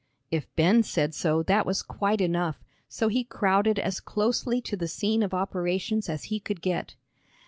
If Ben said so, that was quite enough, so he crowded as closely to the scene of operations as he could get.